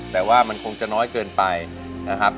แต่ว่ามันคงจะน้อยเกินไปนะครับ